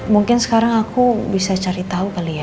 mungkin sekarang aku bisa cari tahu kali ya